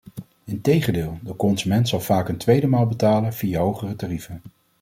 Integendeel, de consument zal vaak een tweede maal betalen via hogere tarieven.